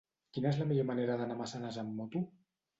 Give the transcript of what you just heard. Quina és la millor manera d'anar a Massanes amb moto?